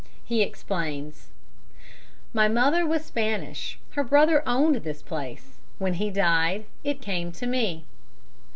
He explains: "My mother was Spanish; her brother owned this place. When he died it came to me."